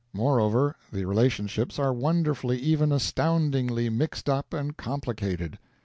Moreover, the relationships are wonderfully, even astoundingly, mixed up and complicated.